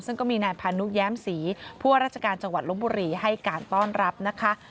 ซึ่งก็มีนายพานุแย้มศรีผู้ว่าราชการจังหวัดลบบุรีให้การต้อนรับนะคะ